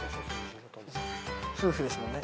夫婦ですもんね。